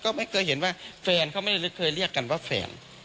ก็ไม่เคยเห็นว่าแฟนเขาไม่เคยเรียกกันว่าแฟน